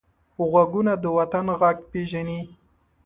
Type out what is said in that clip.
غوږونه د وطن غږ پېژني